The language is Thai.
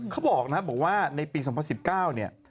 เขาบอกนะฮะบอกว่าในปีสองพันสิบเก้าเนี่ย